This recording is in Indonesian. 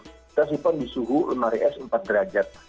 kita simpan di suhu lemari es empat derajat